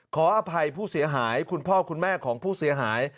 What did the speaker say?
ขออภัยผู้เสียหายคุณพ่อคุณแม่ของผู้เสียหาย